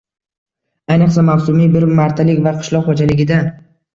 Ayniqsa, mavsumiy, bir martalik va qishloq xo'jaligida